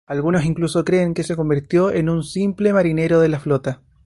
Algunos incluso creen que se convirtió en un simple marinero de la flota.